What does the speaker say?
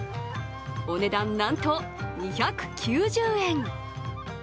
お値段なんと２９０円。